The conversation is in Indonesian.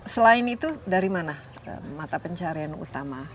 selain itu dari mana mata pencarian utama